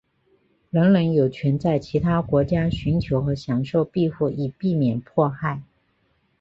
人人有权在其他国家寻求和享受庇护以避免迫害。